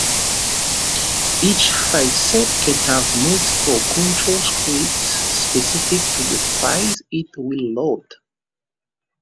Each fileset can have multiple control scripts specific to the files it will load.